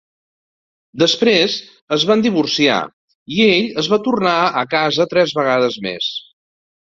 Després es van divorciar i ell es va tornar a casa tres vegades més.